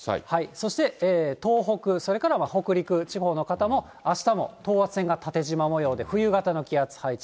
そして東北、それから北陸地方の方も、あしたも等圧線が縦じま模様で冬型の気圧配置。